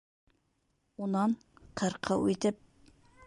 Унан, ҡырҡыу итеп: